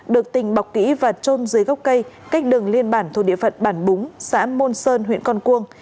được tình bọc kỹ và trôn dưới gốc cây cách đường liên bản thuộc địa phận bản búng xã môn sơn huyện con cuông